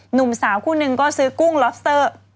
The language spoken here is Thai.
หนุ่มสาวคู่นึงก็ซื้อกุ้งล็อบสเตอร์